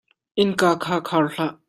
Innka kha khar hlah.